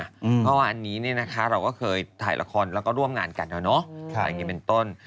เพราะว่าอันนี้เราก็เคยถ่ายละครแล้วก็ร่วมงานกันแล้วเนาะอะไรอย่างนี้เป็นต้น